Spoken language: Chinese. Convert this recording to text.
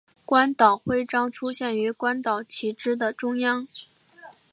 关岛徽章出现于关岛旗帜的中央。